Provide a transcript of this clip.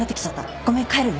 ごめん帰るね。